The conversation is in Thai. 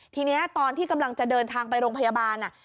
ทีนี้ตอนที่กำลังจะเดินทางไปโรงพยาบาล